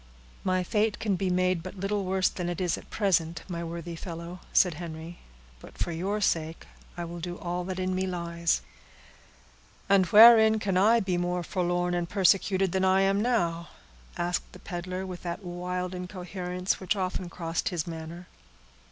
"My fate can be made but little worse than it is at present, my worthy fellow," said Henry; "but for your sake I will do all that in me lies." "And wherein can I be more forlorn and persecuted than I now am?" asked the peddler, with that wild incoherence which often crossed his manner.